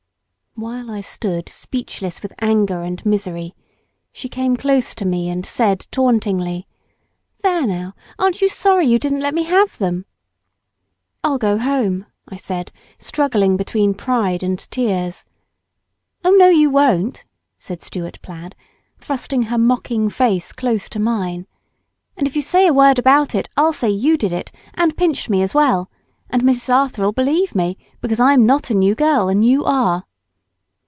While I stood speechless with anger and misery, she came close to me and said tauntingly "There, now! aren't you sorry you didn't let me have them?" "I'll go home," I said, struggling between pride and tears. "Oh, no you won't," said Stuart plaid, thrusting her mocking face close to mine; "and if you say a word about it I'll say you did it and pinched me as well. And Mrs. Arthur'll believe me, because I'm not a new girl, and you are!"